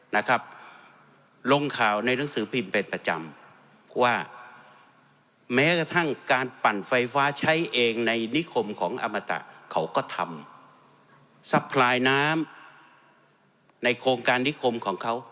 นะครับลงข่าวในหนังสือพิมพ์เป็นประจำว่าแม้กระทั่งการปั่นไฟฟ้าใช้เองในนิคมของอมตะเขาก็ทำซัพพลายน้ำในโครงการนิคมของเขา